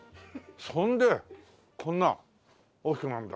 それでこんな大きくなるんだ。